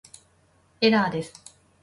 エラーです